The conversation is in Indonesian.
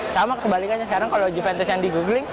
sama kebalikannya sekarang kalau juventus yang di googling